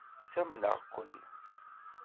Ttamneɣ-ken.